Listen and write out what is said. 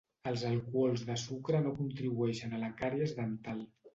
Els alcohols de sucre no contribueixen a la càries dental.